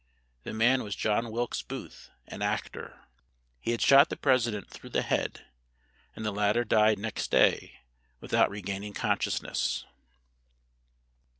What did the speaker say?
The man was John Wilkes Booth, an actor. He had shot the President through the head, and the latter died next day without regaining consciousness.